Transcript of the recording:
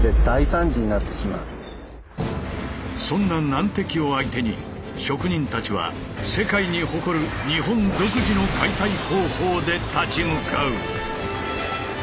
そんな難敵を相手に職人たちは世界に誇る「日本独自の解体工法」で立ち向かう！